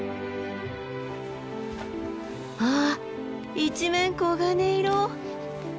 わあ一面黄金色！